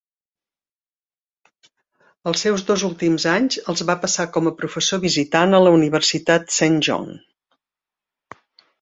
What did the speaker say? Els seus dos últims anys els va passar com a professor visitant a la Universitat Saint John.